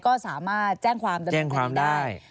ก็สามารถแจ้งความได้